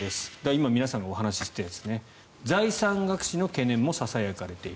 今、皆さんがお話していたこと財産隠しの懸念もささやかれている。